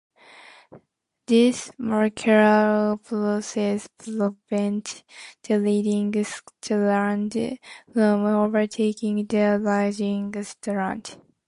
This molecular process prevents the leading strand from overtaking the lagging strand.